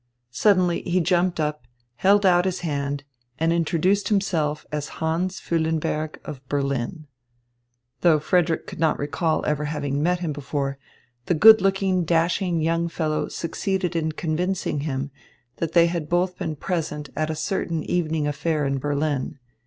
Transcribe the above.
Suddenly he jumped up, held out his hand, and introduced himself as Hans Füllenberg of Berlin. Though Frederick could not recall ever having met him before, the good looking, dashing young fellow succeeded in convincing him that they had both been present at a certain evening affair in Berlin.